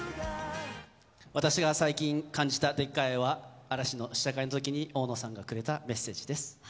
私が最近感じた、でっかい愛は嵐の試写会の時に大野さんがくれたメッセージです。